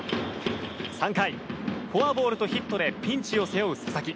３回、フォアボールとヒットでピンチを背負う佐々木。